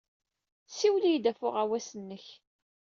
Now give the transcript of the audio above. Ssiwel-iyi-d ɣef uɣawas-nnek.